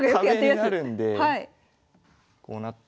壁になるんでこうなって。